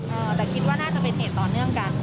แต่คิดว่าน่าจะเป็นเหตุต่อเนื่องกัน